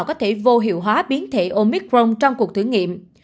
có thể vô hiệu hóa biến thể omicron trong cuộc thử nghiệm